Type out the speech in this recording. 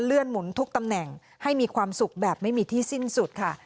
หมุนทุกตำแหน่งให้มีความสุขแบบไม่มีที่สิ้นสุดค่ะ